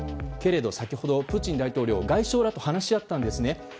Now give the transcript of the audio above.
けれど先ほどプーチン大統領外相らと話し合ったんですね。